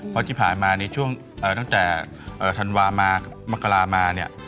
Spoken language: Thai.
เพราะที่ผ่านมาในช่วงตั้งแต่ธันวามามกรามาเนี่ย